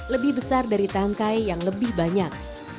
lebih besar dari tangkai yang lebih banyak